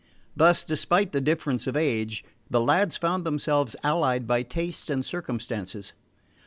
Thus, despite the difference of age, the lads found themselves allied by taste and circumstances.